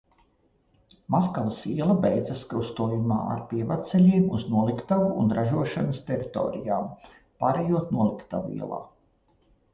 Maskavas iela beidzas krustojumā ar pievedceļiem uz noliktavu un ražošanas teritorijām, pārejot Noliktavu ielā.